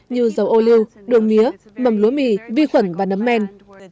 nhiều dầu ô lưu đồ mía mầm lúa mì vi khuẩn và nấm men